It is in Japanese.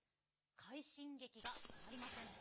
快進撃が止まりません。